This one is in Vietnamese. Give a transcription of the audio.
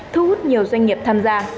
thu hút nhiều doanh nghiệp tham gia